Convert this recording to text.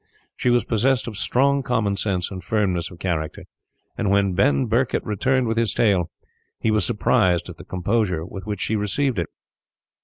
She was possessed of strong common sense and firmness of character, and when Ben Birket returned with his tale, he was surprised at the composure with which she received it.